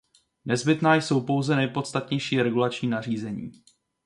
Nezbytná jsou pouze nejpodstatnější regulační nařízení.